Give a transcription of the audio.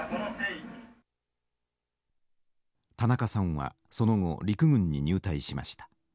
田中さんはその後陸軍に入隊しました。